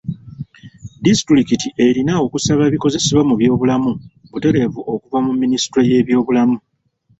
Disitulikiti erina okusaba ebikozesebwa mu by'obulamu butereevu okuva mu minisitule y'ebyobulamu.